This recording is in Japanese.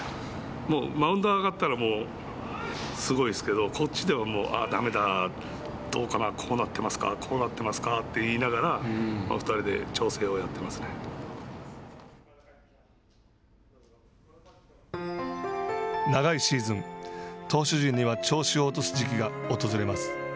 もうマウンドに上がったらすごいですけどこっちではもうああ、だめだどうかなこうなってますかこうなってますかって言いながら長いシーズン、投手陣には調子を落とす時期が訪れます。